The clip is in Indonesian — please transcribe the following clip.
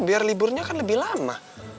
biar liburnya kan lebih lama